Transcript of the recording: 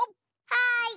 はい。